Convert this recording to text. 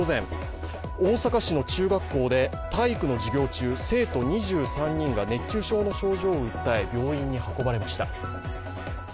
大阪市の中学校で体育の授業中生徒２３人が、熱中症の症状を訴え、病院に運ばれました。